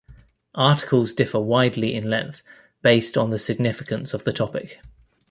Articles differ widely in length based on the significance of the topic.